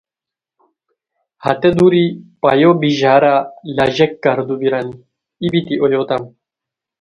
ہتے دُوری پا یو بیژارا لاژیک کاردو بیرانی ای بیتی اویوتام